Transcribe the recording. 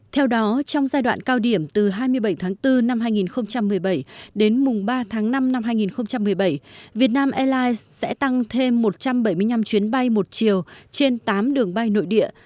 theo đó trong giai đoạn cao điểm từ hai mươi bảy tháng bốn năm hai nghìn một mươi bảy đến mùng ba tháng năm năm hai nghìn một mươi bảy việt nam airlines sẽ tăng thêm một trăm bảy mươi năm chuyến bay một chiều trên tám đường bay nội địa